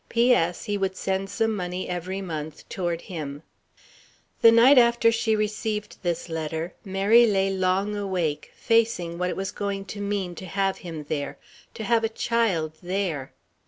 P. S. He would send some money every month "toward him." The night after she received this letter, Mary lay long awake, facing what it was going to mean to have him there: to have a child there.